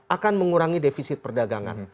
akan mengurangi defisit perdagangan